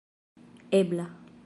ebla